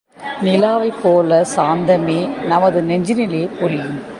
நிலாவைப் போல சாந்தமே நமது நெஞ்சிலே பொழியும்.